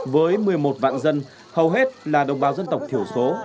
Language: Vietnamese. với một mươi một vạn dân hầu hết là đồng bào dân tộc thiểu số